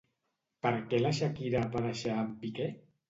Per què la Shakira va deixar a en Piqué?